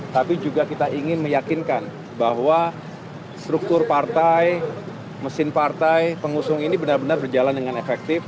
tapi juga kita ingin meyakinkan bahwa struktur partai mesin partai pengusung ini benar benar berjalan dengan efektif